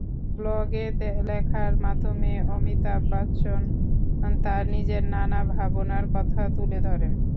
ব্লগে লেখার মাধ্যমে অমিতাভ বচ্চন তাঁর নিজের নানা ভাবনার কথা তুলে ধরেন।